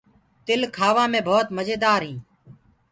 تل کآوآ مي ڀوت مجيدآر هوندآ هينٚ۔